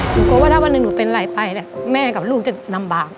กลัวว่าถ้าวันหนึ่งหนูเป็นไรไปเนี่ยแม่กับลูกจะลำบาก